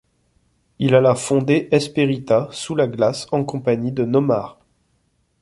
Il alla fonder Espérita sous la glace en compagnie de Nomar.